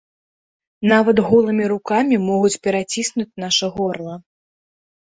Нават голымі рукамі могуць пераціснуць наша горла.